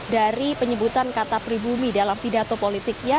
dari penyebutan kata pribumi dalam pidato politiknya